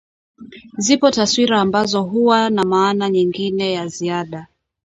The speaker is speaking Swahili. Zipo taswira ambazo huwa na maana nyingine ya ziada